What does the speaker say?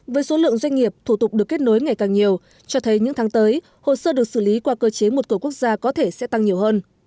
với số lượng doanh nghiệp thủ tục được kết nối ngày càng nhiều cho thấy những tháng tới hồ sơ được xử lý qua cơ chế một cửa quốc gia có thể sẽ tăng nhiều hơn